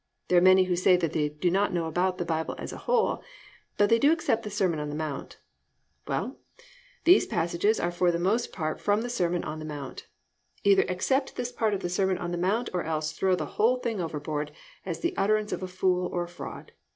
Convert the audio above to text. There are many who say they do not know about the Bible as a whole, but they do accept the Sermon on the Mount. Well, these passages are for the most part from the Sermon on the Mount. Either accept this part of the Sermon on the Mount or else throw the whole thing overboard as the utterance of a fool or a fraud.